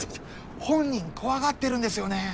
本人怖がってるんですよね。